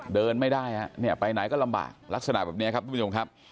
เดินไม่ได้ฮะเนี่ยไปไหนก็ลำบากลักษณะแบบนี้ครับทุกผู้ชมครับ